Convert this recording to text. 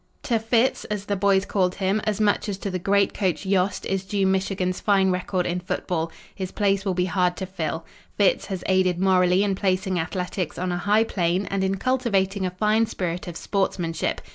"To 'Fitz,' as the boys called him, as much as to the great coach Yost is due Michigan's fine record in football. His place will be hard to fill. Fitz has aided morally in placing athletics on a high plane and in cultivating a fine spirit of sportsmanship.